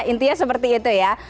intinya seperti itu ya